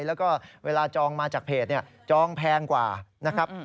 แล้วก็เวลาจองมาจากเพจเนี่ยจองแพงกว่านะครับ